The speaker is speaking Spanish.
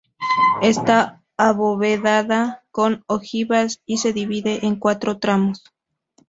Esta abovedada con ojivas y se divide en cuatro tramos.